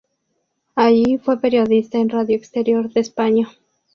Allí fue periodista en Radio Exterior de España.